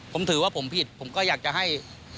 ผมถือว่าผมผิดผมก็อยากจะให้